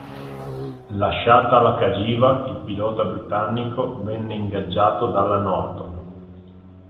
Lasciata la Cagiva, il pilota britannico venne ingaggiato dalla Norton.